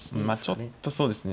ちょっとそうですね。